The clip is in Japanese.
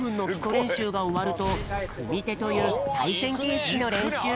れんしゅうがおわるとくみてというたいせんけいしきのれんしゅう。